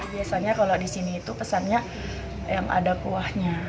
biasanya kalau di sini itu pesannya yang ada kuahnya